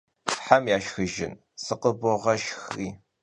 Hem yaşşxıjjın, sıkhıboğeşşxri!